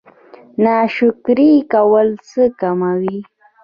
ناشکري کول څه کموي؟